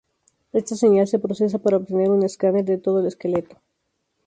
Esta señal se procesa para obtener un escáner de todo el esqueleto.